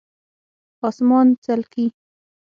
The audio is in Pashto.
🦇 اسمان څلکي